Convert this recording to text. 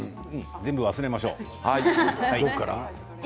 全部忘れましょう。